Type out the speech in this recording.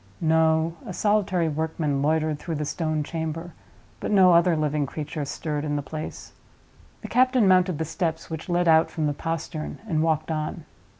No: a solitary workman loitered through the stone chamber; but no other living creature stirred in the place. The captain mounted the steps which led out from the postern and walked on.